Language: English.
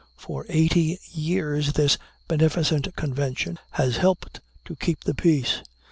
For eighty years this beneficent convention has helped to keep the peace.